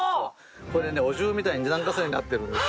これねお重みたいに２段重ねになってるんですよ。